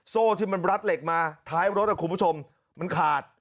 โซ่ที่มันรัดเหล็กมาท้ายรถคุณผู้ชมมันขาด